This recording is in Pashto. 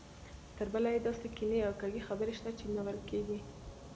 تربله یې داسې کینې او کږې خبرې شته چې نه ورکېږي.